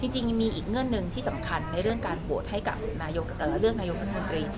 จริงมีอีกเงื่อนหนึ่งที่สำคัญในเรื่องการโหวตให้กับเลือกนายกรัฐมนตรี